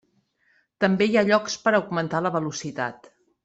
També hi ha llocs per augmentar la velocitat.